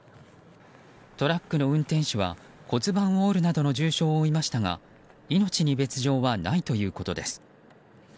トラックの運転手は骨盤を折るなどの重傷を負いましたが命に別条はないということです。